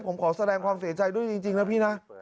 ผมขอแสดงความเสียใจด้วยจริงนะพี่นะ